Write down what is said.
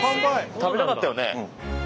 食べたかったよね。